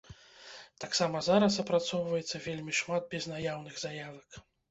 Таксама зараз апрацоўваецца вельмі шмат безнаяўных заявак.